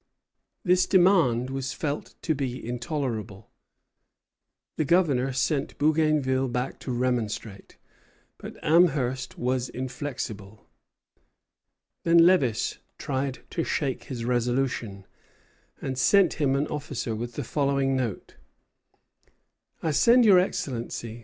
This demand was felt to be intolerable. The Governor sent Bougainville back to remonstrate; but Amherst was inflexible. Then Lévis tried to shake his resolution, and sent him an officer with the following note: "I send your Excellency M.